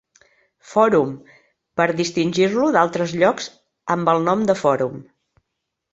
Fòrum" per distingir-lo d'altres llocs amb el nom de "Fòrum".